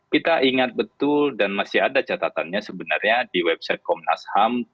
kita ingat betul dan masih ada catatannya sebenarnya di website komnas ham